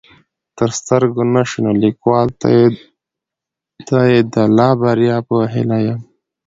تر سترګو نه شوه نو ليکوال ته يې د لا بريا په هيله يم